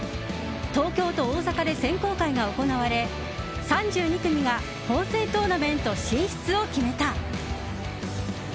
東京と大阪で選考会が行われ３２組が本戦トーナメント進出を決めた。